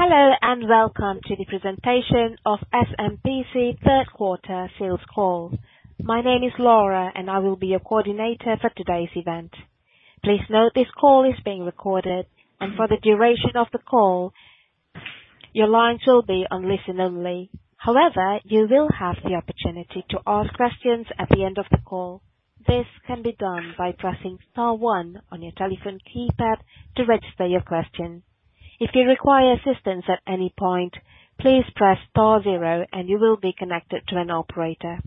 Hello, and welcome to the presentation of SMCP's third quarter sales call. My name is Laura, and I will be your coordinator for today's event. Please note this call is being recorded, and for the duration of the call your lines will be on listen only. However, you will have the opportunity to ask questions at the end of the call. This can be done by pressing star one on your telephone keypad to register your question. If you require assistance at any point, please press star zero, and you will be connected to an operator.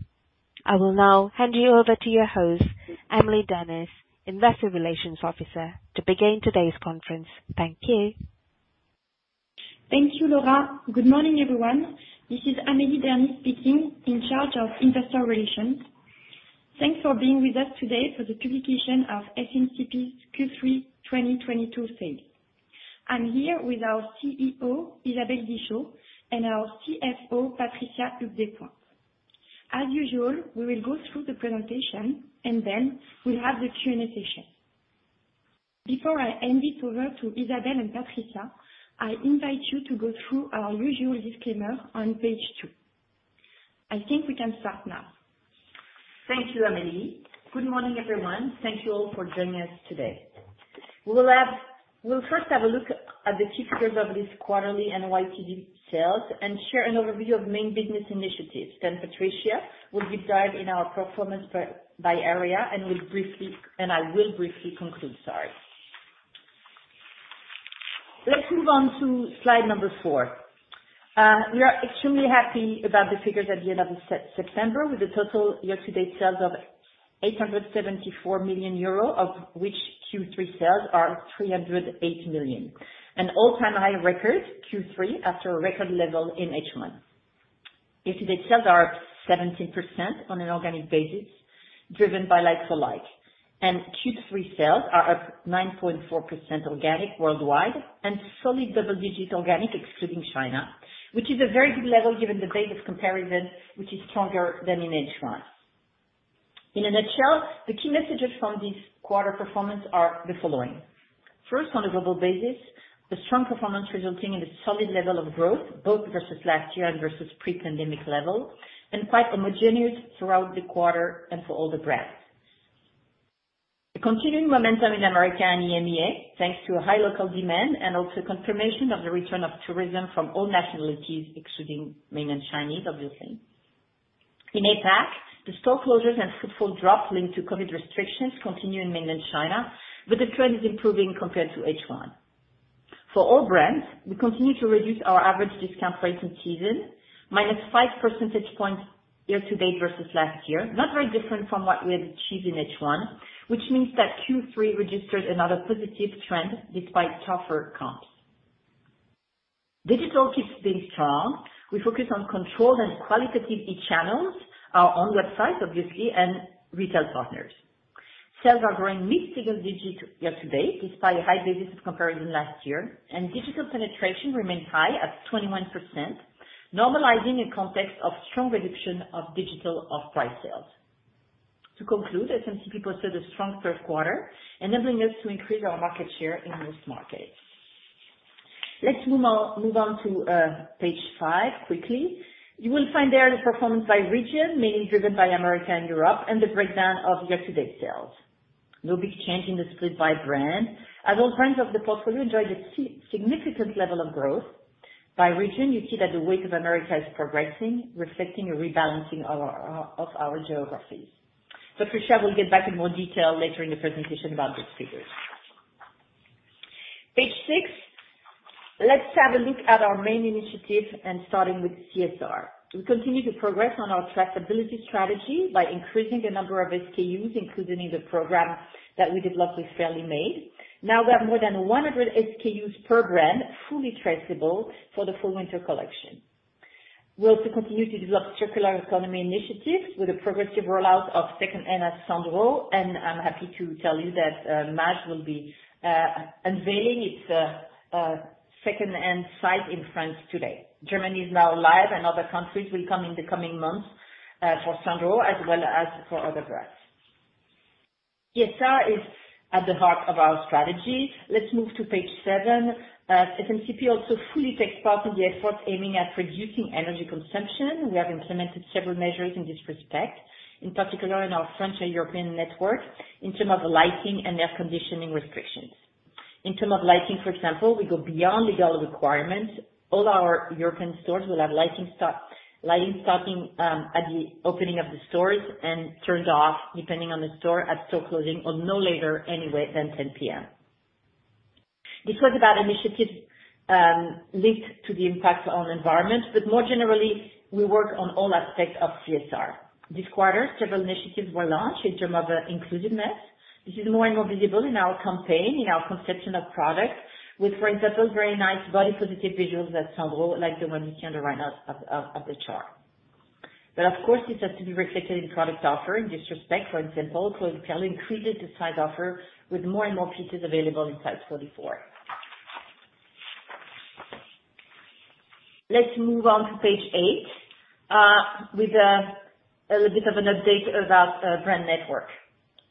I will now hand you over to your host, Amélie Dernis, Investor Relations Officer, to begin today's conference. Thank you. Thank you, Laura. Good morning, everyone. This is Amélie Dernis speaking, in charge of investor relations. Thanks for being with us today for the publication of SMCP's Q3 2022 sales. I'm here with our CEO, Isabelle Guichot, and our CFO, Patricia Lucchesi. As usual, we will go through the presentation and then we'll have the Q&A session. Before I hand it over to Isabelle and Patricia, I invite you to go through our usual disclaimer on page two. I think we can start now. Thank you, Amélie. Good morning, everyone. Thank you all for joining us today. We'll first have a look at the figures of this quarterly and YTD sales and share an overview of main business initiatives. Then Patricia will dive in our performance by area. I will briefly conclude. Sorry. Let's move on to slide number four. We are extremely happy about the figures at the end of September, with a total year-to-date sales of 874 million euro, of which Q3 sales are 308 million. An all-time high record Q3 after a record level in H1. Year-to-date sales are up 17% on an organic basis, driven by like-for-like, and Q3 sales are up 9.4% organic worldwide and solid double-digit organic excluding China, which is a very good level given the base of comparison, which is stronger than in H1. In a nutshell, the key messages from this quarter performance are the following. First, on a global basis, a strong performance resulting in a solid level of growth both versus last year and versus pre-pandemic level, and quite homogeneous throughout the quarter and for all the brands. The continuing momentum in America and EMEA, thanks to a high local demand and also confirmation of the return of tourism from all nationalities, excluding mainland Chinese, obviously. In APAC, the store closures and footfall drops linked to COVID restrictions continue in mainland China, but the trend is improving compared to H1. For all brands, we continue to reduce our average discount price in season, minus 5 percentage points year to date versus last year. Not very different from what we had achieved in H1, which means that Q3 registered another positive trend despite tougher comps. Digital keeps being strong. We focus on controlled and qualitative e-channels, our own websites, obviously, and retail partners. Sales are growing mid-single digits year to date, despite a high base of comparison last year. Digital penetration remains high at 21%, normalizing in context of strong reduction of digital off-price sales. To conclude, SMCP posted a strong third quarter, enabling us to increase our market share in most markets. Let's move on to page five quickly. You will find there the performance by region, mainly driven by America and Europe, and the breakdown of year-to-date sales. No big change in the split by brand, as all brands of the portfolio enjoyed a significant level of growth. By region, you see that the weight of America is progressing, reflecting a rebalancing of our of our geographies. Patricia will get back in more detail later in the presentation about these figures. Page six, let's have a look at our main initiatives and starting with CSR. We continue to progress on our traceability strategy by increasing the number of SKUs included in the program that we developed with Fairly Made. Now we have more than 100 SKUs per brand, fully traceable for the fall/winter collection. We also continue to develop circular economy initiatives with the progressive rollout of second-hand at Sandro, and I'm happy to tell you that Maje will be unveiling its second-hand site in France today. Germany is now live, and other countries will come in the coming months for Sandro as well as for other brands. CSR is at the heart of our strategy. Let's move to page seven. SMCP also fully takes part in the effort aiming at reducing energy consumption. We have implemented several measures in this respect, in particular in our French and European network, in terms of lighting and air conditioning restrictions. In terms of lighting, for example, we go beyond legal requirements. All our European stores will have lighting starting at the opening of the stores and turned off, depending on the store, at store closing or no later anyway than 10 P.M. This was about initiatives linked to the impact on environment, but more generally, we work on all aspects of CSR. This quarter, several initiatives were launched in terms of inclusiveness. This is more and more visible in our campaign, in our conception of products with, for example, very nice body positive visuals at Sandro, like the one you can see to the right of the chart. Of course this has to be reflected in product offer. In this respect, for example, Claudie Pierlot increased its size offer with more and more pieces available in size 44. Let's move on to page eight with a little bit of an update about brand network.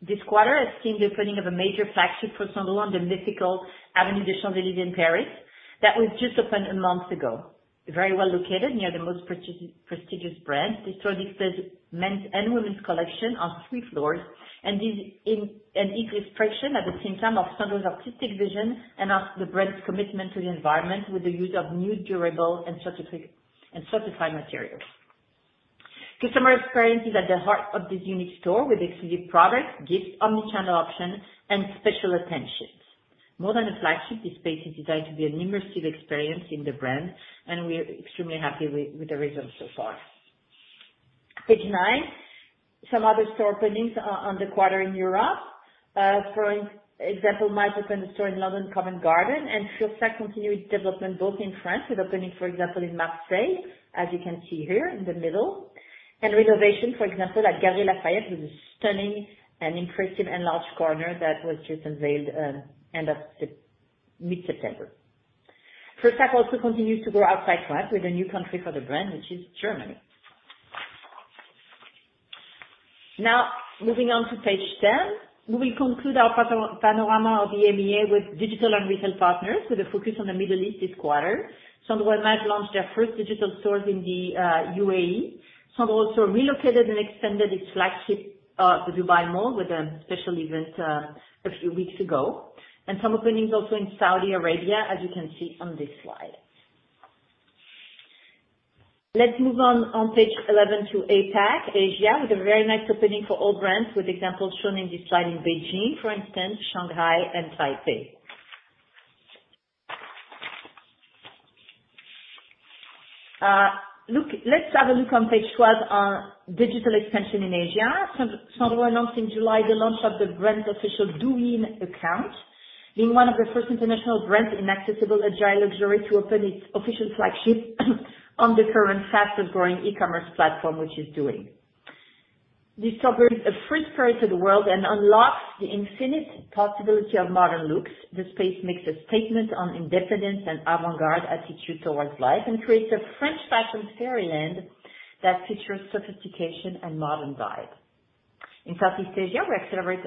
This quarter has seen the opening of a major flagship for Sandro on the mythical Avenue des Champs-Élysées in Paris that was just opened a month ago. Very well located near the most prestigious brand. This store displays men's and women's collection on three floors and is in an equal expression at the same time of Sandro's artistic vision and of the brand's commitment to the environment with the use of new durable and certified materials. Customer experience is at the heart of this unique store with exclusive products, gifts, omni-channel option and special attentions. More than a flagship, this space is designed to be an immersive experience in the brand, and we're extremely happy with the results so far. Page nine. Some other store openings on the quarter in Europe. For example, Maje opened a store in London, Covent Garden, and Fursac continued development both in France with opening, for example, in Marseille, as you can see here in the middle. Renovation, for example, at Galeries Lafayette, with a stunning and impressive enlarged corner that was just unveiled, Mid-September. Fursac also continues to grow outside France with a new country for the brand, which is Germany. Now, moving on to page ten. We will conclude our panorama of the EMEA with digital and retail partners with a focus on the Middle East this quarter. Sandro and Maje launched their first digital stores in the UAE. Sandro also relocated and extended its flagship, the Dubai Mall, with a special event, a few weeks ago, and some openings also in Saudi Arabia as you can see on this slide. Let's move on to page eleven to APAC, Asia, with a very nice opening for all brands with examples shown in this slide in Beijing, for instance, Shanghai and Taipei. Look, let's have a look on page 12, our digital expansion in Asia. Sandro announced in July the launch of the brand's official Douyin account, being one of the first international brands in accessible luxury to open its official flagship on the current fastest growing e-commerce platform, which is Douyin. This conveys a free spirit to the world and unlocks the infinite possibility of modern looks. The space makes a statement on independence and avant-garde attitude toward life and creates a French fashion fairyland that features sophistication and modern vibe. In Southeast Asia, we accelerate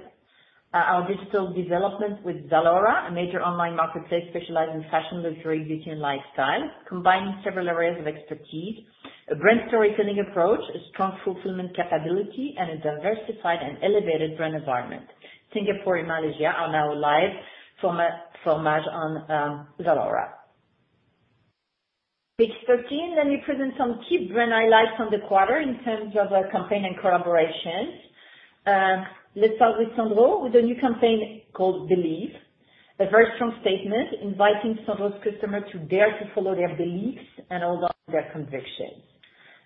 our digital development with Zalora, a major online marketplace specializing in fashion, luxury, beauty and lifestyle, combining several areas of expertise, a brand storytelling approach, a strong fulfillment capability, and a diversified and elevated brand environment. Singapore and Malaysia are now live. Sandro and Maje on Zalora. Page thirteen, let me present some key brand highlights on the quarter in terms of, campaign and collaborations. Let's start with Sandro with a new campaign called Believe. A very strong statement inviting Sandro's customer to dare to follow their beliefs and also their convictions.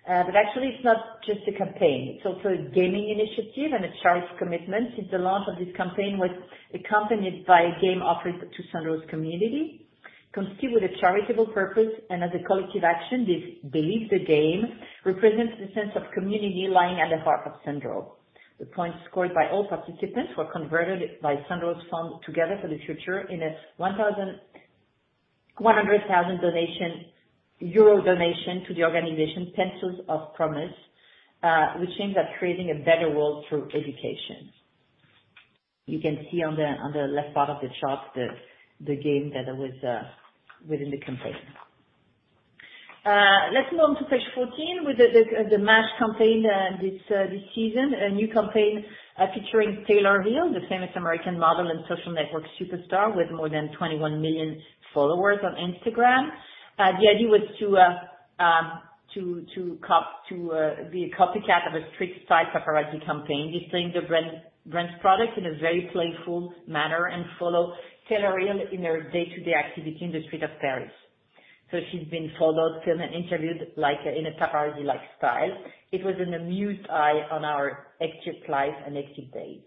Actually it's not just a campaign, it's also a gaming initiative and a charity commitment since the launch of this campaign was accompanied by a game offered to Sandro's community. Constituted with a charitable purpose and as a collective action, this Believe the game represents the sense of community lying at the heart of Sandro. The points scored by all participants were converted by Sandro's fund together for the future in a 1,100,000 euro donation to the organization Pencils of Promise, which aims at creating a better world through education. You can see on the left part of the chart, the game that was within the campaign. Let's move on to page 14 with the Maje campaign, this season, a new campaign featuring Taylor Hill, the famous American model and social network superstar with more than 21 million followers on Instagram. The idea was to be a copycat of a street style paparazzi campaign, displaying the brand's product in a very playful manner and follow Taylor Hill in her day-to-day activity in the street of Paris. She's been followed, filmed, and interviewed like in a paparazzi-like style. It was an amused eye on our active life and active days.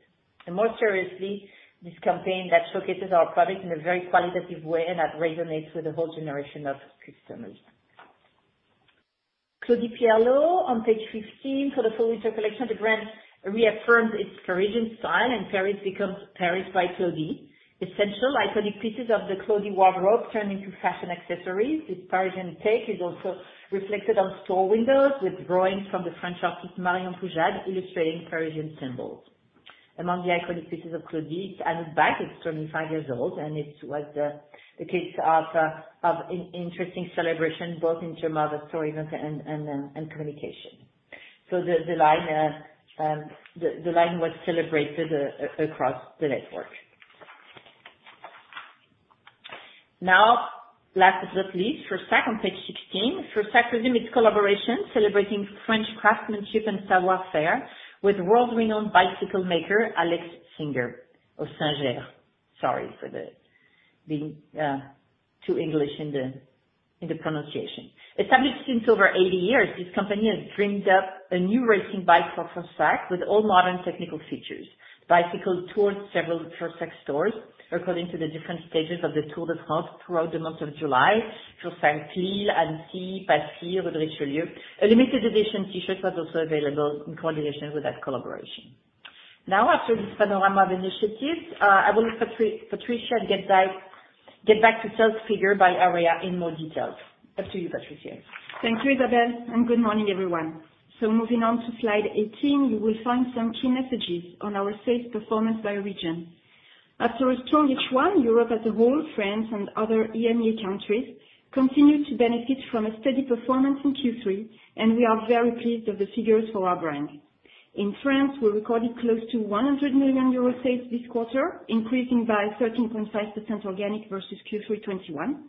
More seriously, this campaign that showcases our product in a very qualitative way and that resonates with a whole generation of customers. Claudie Pierlot on page 15. For the fall-winter collection, the brand reaffirms its Parisian style, and Paris becomes Paris by Claudie. Essential iconic pieces of the Claudie wardrobe turn into fashion accessories. This Parisian take is also reflected on store windows with drawings from the French artist Marion Poujade, illustrating Parisian symbols. Among the iconic pieces of Claudie is Anouck bag. It's 25 years old, and it was a case of interesting celebration, both in terms of the story and communication. The line was celebrated across the network. Now, last but not least, Fursac on page 16. Fursac resumed its collaboration celebrating French craftsmanship and savoir-faire with world-renowned bicycle maker, Alex Singer or Singer. Sorry for being too English in the pronunciation. Established since over 80 years, this company has dreamed up a new racing bike for Fursac with all modern technical features. The bicycle toured several Fursac stores according to the different stages of the Tour de France throughout the month of July. Fursac Lille, Annecy, Passy, Rue de Richelieu. A limited edition T-shirt was also available in coordination with that collaboration. After this panorama of initiatives, I will let Patricia get back to sales figure by area in more details. Back to you, Patricia. Thank you, Isabelle, and good morning, everyone. Moving on to slide 18, you will find some key messages on our sales performance by region. After a strong H1, Europe as a whole, France and other EMEA countries, continue to benefit from a steady performance in Q3, and we are very pleased with the figures for our brand. In France, we recorded close to 100 million euro sales this quarter, increasing by 13.5% organic versus Q3 2021.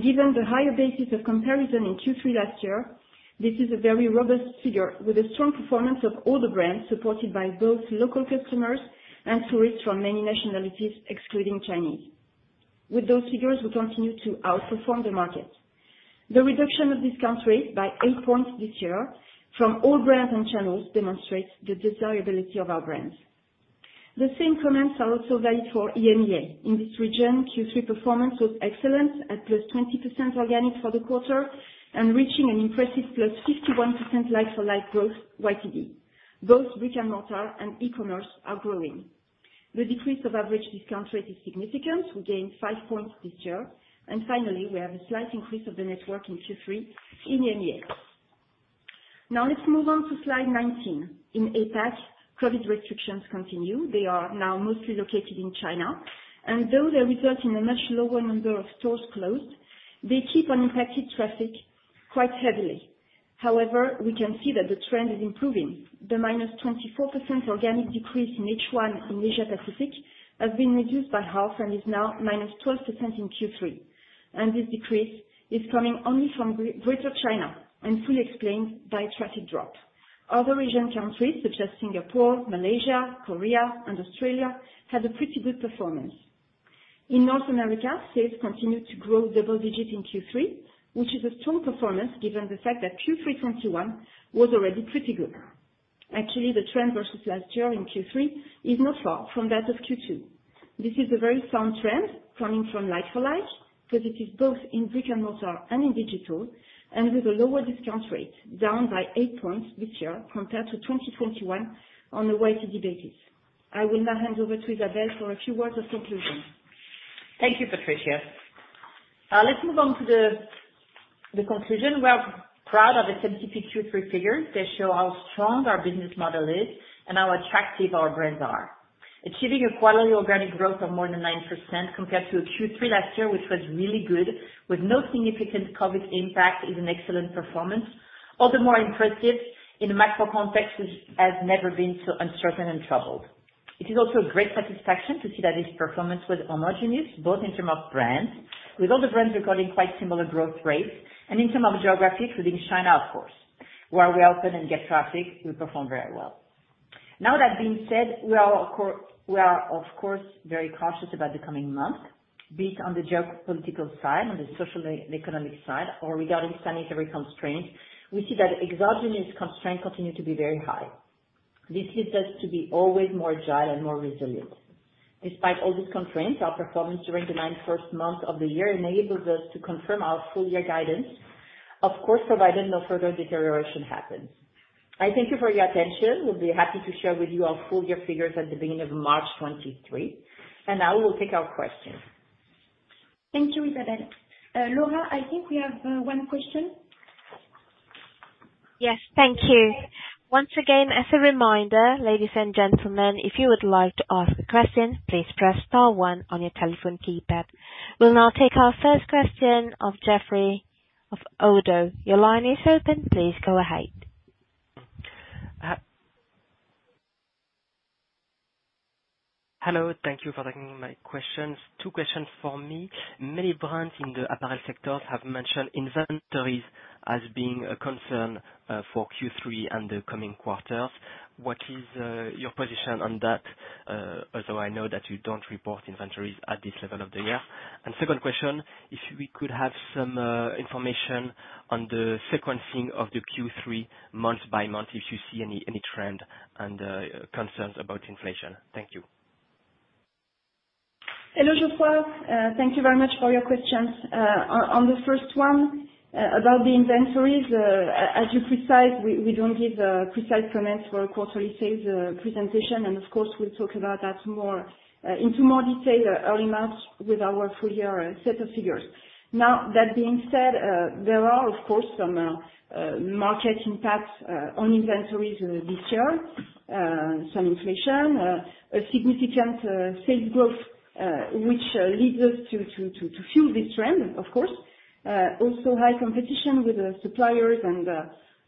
Given the higher basis of comparison in Q3 last year, this is a very robust figure with a strong performance of all the brands, supported by both local customers and tourists from many nationalities, excluding Chinese. With those figures, we continue to outperform the market. The reduction of discount rate by 8 points this year from all brands and channels demonstrates the desirability of our brands. The same comments are also valid for EMEA. In this region, Q3 performance was excellent at +20% organic for the quarter and reaching an impressive +51% like-for-like growth YTD. Both brick-and-mortar and e-commerce are growing. The decrease of average discount rate is significant. We gained 5 points this year. Finally, we have a slight increase of the network in Q3 in EMEA. Now, let's move on to slide 19. In APAC, COVID restrictions continue. They are now mostly located in China, and though they result in a much lower number of stores closed, they keep on impacting traffic quite heavily. However, we can see that the trend is improving. The -24% organic decrease in H1 in Asia-Pacific has been reduced by half and is now -12% in Q3, and this decrease is coming only from Greater China and fully explained by traffic drop. Other region countries such as Singapore, Malaysia, Korea, and Australia had a pretty good performance. In North America, sales continued to grow double digits in Q3, which is a strong performance given the fact that Q3 2021 was already pretty good. Actually, the trend versus last year in Q3 is not far from that of Q2. This is a very sound trend coming from like-for-like, because it is both in brick-and-mortar and in digital, and with a lower discount rate, down by eight points this year compared to 2021 on a weighted basis. I will now hand over to Isabelle for a few words of conclusion. Thank you, Patricia. Let's move on to the conclusion. We are proud of the tempting Q3 figures. They show how strong our business model is and how attractive our brands are. Achieving a quality organic growth of more than 9% compared to Q3 last year, which was really good, with no significant COVID impact, is an excellent performance. All the more impressive in a macro context which has never been so uncertain and troubled. It is also a great satisfaction to see that this performance was homogeneous, both in terms of brands, with all the brands recording quite similar growth rates, and in terms of geography, including China, of course. Where we open and get traffic, we perform very well. Now, that being said, we are of course very cautious about the coming months, be it on the geopolitical side, on the socio-economic side, or regarding sanitary constraints. We see that exogenous constraints continue to be very high. This leads us to be always more agile and more resilient. Despite all these constraints, our performance during the first nine months of the year enables us to confirm our full year guidance, of course, provided no further deterioration happens. I thank you for your attention. We'll be happy to share with you our full year figures at the beginning of March 2023. Now we'll take our questions. Thank you, Isabelle. Laura, I think we have one question. Yes, thank you. Once again, as a reminder, ladies and gentlemen, if you would like to ask a question, please press star one on your telephone keypad. We'll now take our first question from Jeffrey of Oddo. Your line is open. Please go ahead. Hello, thank you for taking my questions. Two questions for me. Many brands in the apparel sectors have mentioned inventories as being a concern for Q3 and the coming quarters. What is your position on that? Although I know that you don't report inventories at this level of the year. Second question, if we could have some information on the sequencing of the Q3 month by month, if you see any trend and concerns about inflation. Thank you. Hello, Jeffrey. Thank you very much for your questions. On the first one, about the inventories, as you precisely, we don't give precise comments for a quarterly sales presentation. Of course, we'll talk about that more into more detail early March with our full year set of figures. Now, that being said, there are, of course, some market impacts on inventories this year. Some inflation, a significant sales growth, which leads us to fuel this trend, of course. Also high competition with the suppliers and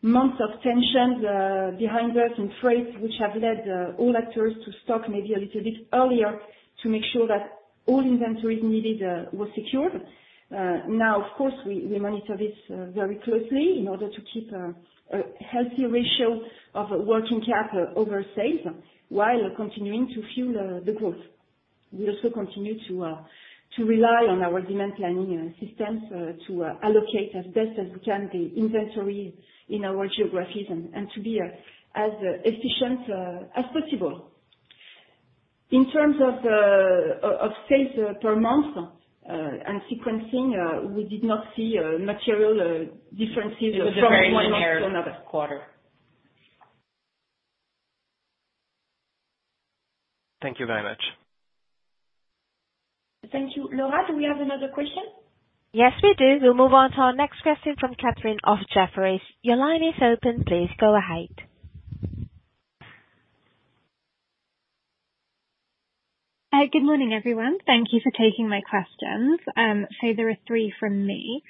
months of tensions behind us in freight, which have led all actors to stock maybe a little bit earlier to make sure that all inventories needed were secured. Now, of course, we monitor this very closely in order to keep a healthy ratio of working capital over sales, while continuing to fuel the growth. We also continue to rely on our demand planning systems to allocate as best as we can the inventory in our geographies and to be as efficient as possible. In terms of our sales per month and sequencing, we did not see material differences from one month to another quarter. Thank you very much. Thank you. Laura, do we have another question? Yes, we do. We'll move on to our next question from Catherine of Jefferies. Your line is open. Please go ahead. Good morning, everyone. Thank you for taking my questions. There are three from me.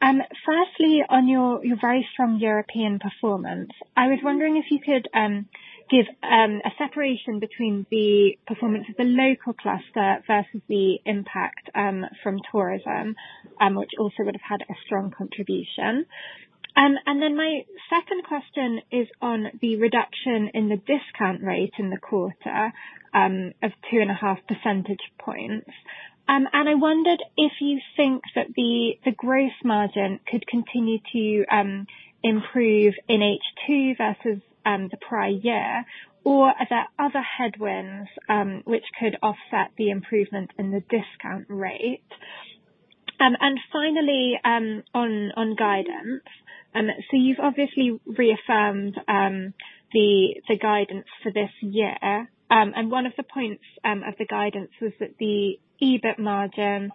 Firstly, on your very strong European performance, I was wondering if you could give a separation between the performance of the local cluster versus the impact from tourism, which also would have had a strong contribution. My second question is on the reduction in the discount rate in the quarter of 2.5 percentage points. I wondered if you think that the gross margin could continue to improve in H2 versus the prior year, or are there other headwinds which could offset the improvement in the discount rate? Finally, on guidance. You've obviously reaffirmed the guidance for this year. One of the points of the guidance was that the adjusted EBIT margin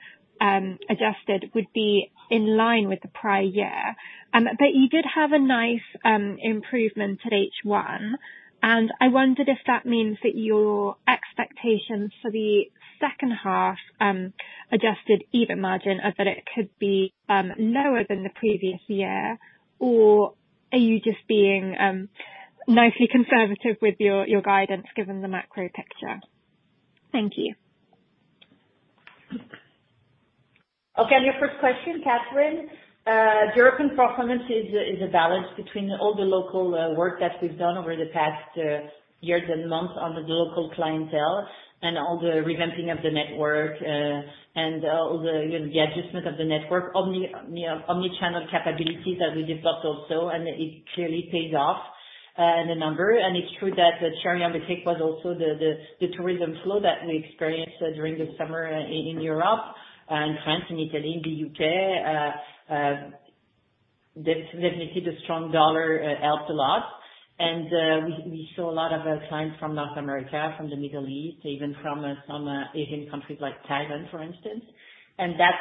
would be in line with the prior year. You did have a nice improvement at H1, and I wondered if that means that your expectations for the second half adjusted EBIT margin are that it could be lower than the previous year. Are you just being nicely conservative with your guidance given the macro picture? Thank you. Okay, on your first question, Catherine, European performance is a balance between all the local work that we've done over the past years and months on the local clientele and all the revamping of the network and all the adjustment of the network omni, you know, omni-channel capabilities that we developed also. It clearly pays off in the number. It's true that the cherry on the cake was also the tourism flow that we experienced during the summer in Europe, in France, in Italy, in the UK. Definitely the strong dollar helped a lot. We saw a lot of clients from North America, from the Middle East, even from some Asian countries like Thailand, for instance. That,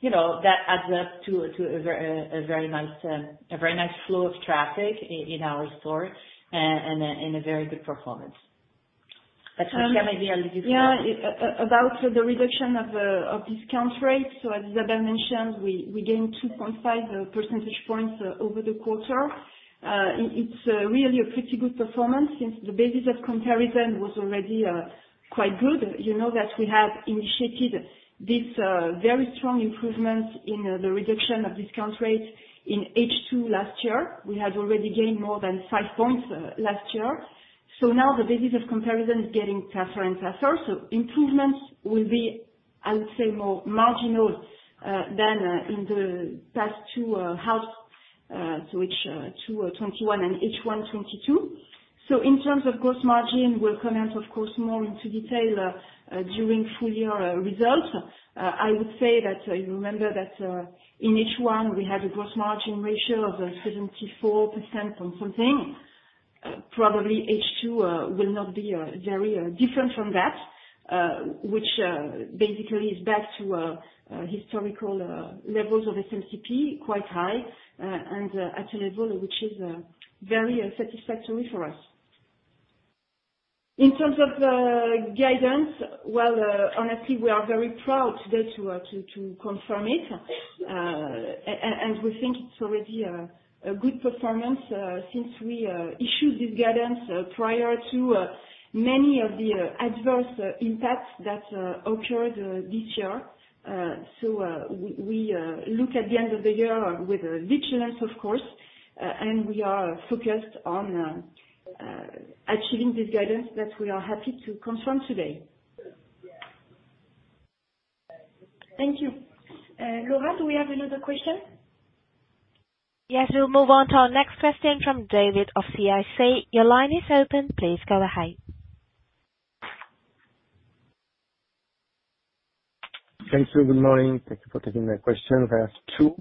you know, that adds up to a very nice flow of traffic in our stores and a very good performance. Patricia, maybe you want to give- About the reduction of discount rates, as Isabelle mentioned, we gained 2.5 percentage points over the quarter. It's really a pretty good performance since the basis of comparison was already quite good. You know that we have initiated this very strong improvement in the reduction of discount rate in H2 last year. We had already gained more than 5 points last year. Now the basis of comparison is getting tougher and tougher. Improvements will be, I would say, more marginal than in the past two halves, so H2 2021 and H1 2022. In terms of gross margin, we'll comment of course more in detail during full year results. I would say that you remember that in H1 we had a gross margin ratio of 74% something. Probably H2 will not be very different from that. Which basically is back to historical levels of SMCP, quite high, and at a level which is very satisfactory for us. In terms of guidance, well, honestly, we are very proud today to confirm it. We think it's already a good performance since we issued this guidance prior to many of the adverse impacts that occurred this year. We look at the end of the year with vigilance, of course, and we are focused on achieving this guidance that we are happy to confirm today. Thank you. Laura, do we have another question? Yes. We'll move on to our next question from David of CIC. Your line is open. Please go ahead. Thank you. Good morning. Thank you for taking my questions. I have two.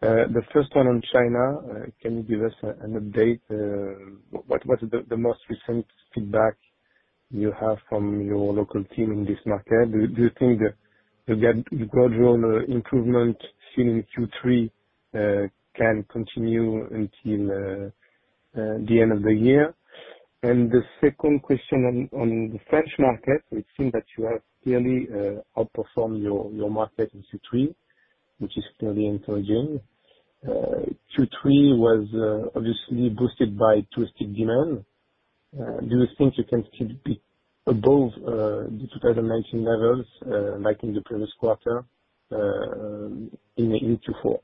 The first one on China. Can you give us an update? What is the most recent feedback you have from your local team in this market? Do you think the gradual improvement seen in Q3 can continue until the end of the year? The second question on the French market. It seems that you have clearly outperformed your market in Q3, which is clearly encouraging. Q3 was obviously boosted by touristic demand. Do you think you can still be above the 2019 levels like in the previous quarter in Q4?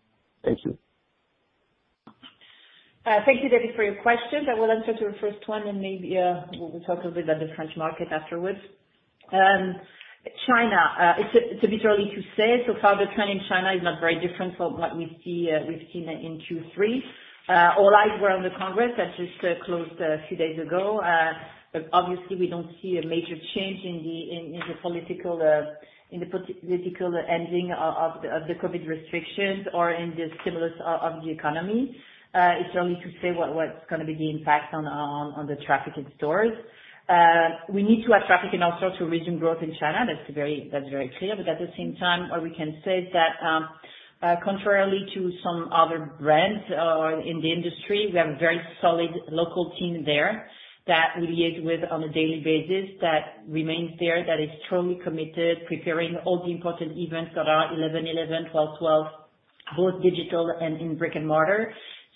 Thank you. Thank you, David, for your question. I will answer your first one, and maybe we will talk a bit about the French market afterwards. China, it's a bit early to say. So far the trend in China is not very different from what we've seen in Q3. All eyes were on the congress that just closed a few days ago. Obviously we don't see a major change in the political ending of the COVID restrictions or in the stimulus of the economy. It's early to say what's gonna be the impact on the traffic in stores. We need to have traffic in all stores to resume growth in China. That's very clear. At the same time, what we can say is that, contrarily to some other brands, in the industry, we have a very solid local team there that we meet with on a daily basis, that remains there, that is truly committed, preparing all the important events that are 11.11, 12.12, both digital and in brick and mortar.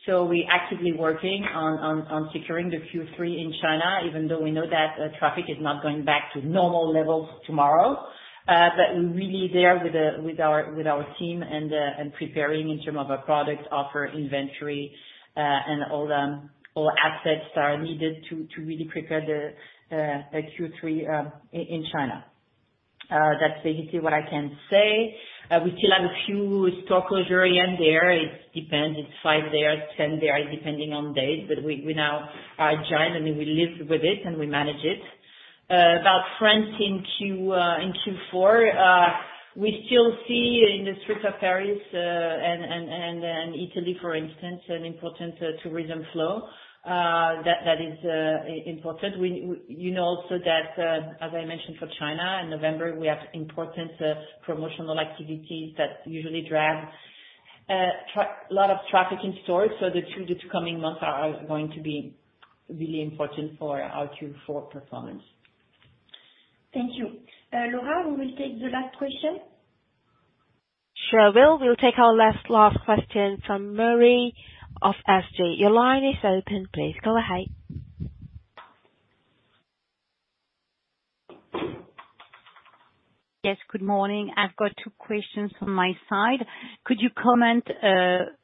We actively working on securing the Q3 in China, even though we know that, traffic is not going back to normal levels tomorrow. We're really there with our team and preparing in terms of our product offer, inventory, and all assets that are needed to really prepare the Q3 in China. That's basically what I can say. We still have a few store closures in there. It depends, it's five there, 10 there, depending on date. We now are giant and we live with it and we manage it. About France in Q4, we still see in the streets of Paris and Italy, for instance, an important tourism flow. That is important. We know also that, as I mentioned for China, in November we have important promotional activities that usually drive a lot of traffic in stores. The two coming months are going to be really important for our Q4 performance. Thank you. Laura, we will take the last question. Sure, we'll take our last question from Marie of SG. Your line is open, please go ahead. Yes, good morning. I've got two questions from my side. Could you comment,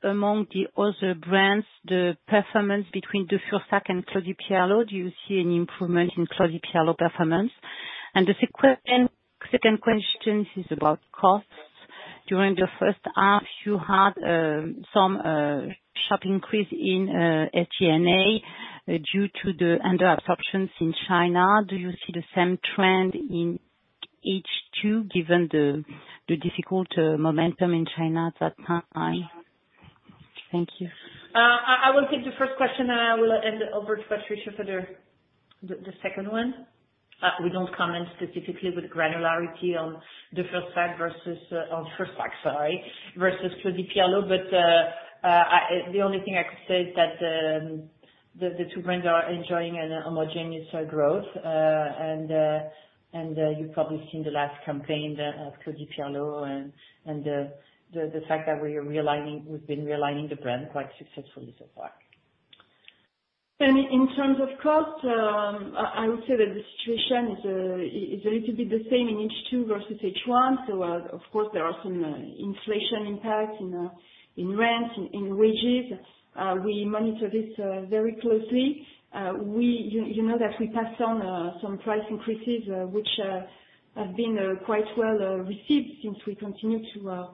among the other brands, the performance between Fursac and Claudie Pierlot. Do you see any improvement in Claudie Pierlot performance? The second question is about costs. During the first half you had some sharp increase in EBITDA, due to the under absorptions in China. Do you see the same trend in H2 given the difficult momentum in China at that time? Thank you. I will take the first question then I will hand over to Patricia for the second one. We don't comment specifically with granularity on Fursac versus Claudie Pierlot. The only thing I could say is that the two brands are enjoying an homogeneous growth. You've probably seen the last campaign at Claudie Pierlot and the fact that we are realigning, we've been realigning the brand quite successfully so far. In terms of costs, I would say that the situation is a little bit the same in H2 versus H1. Of course, there are some inflation impacts in rents, in wages. We monitor this very closely. You know that we passed on some price increases, which have been quite well received since we continue to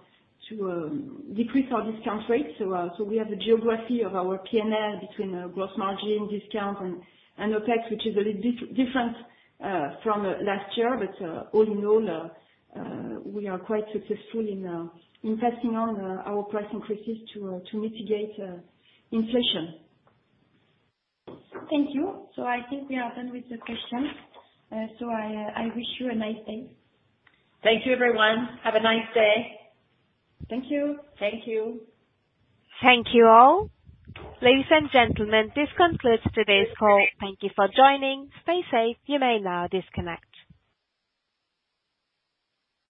decrease our discount rate. We have the geography of our P&L between gross margin, discount and OPEX, which is a little different from last year. All in all, we are quite successful in passing on our price increases to mitigate inflation. Thank you. I think we are done with the questions. I wish you a nice day. Thank you everyone. Have a nice day. Thank you. Thank you. Thank you all. Ladies and gentlemen, this concludes today's call. Thank you for joining. Stay safe. You may now disconnect.